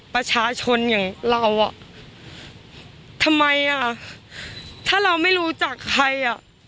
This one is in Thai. ประชาชนอย่างเราทำไมถ้าเราไม่รู้จักใคร